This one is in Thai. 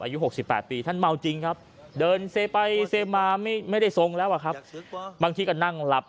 อายุ๖๘ปีท่านเมาจริงครับเดินเซไปเซมาไม่ได้ทรงแล้วอะครับบางทีก็นั่งหลับ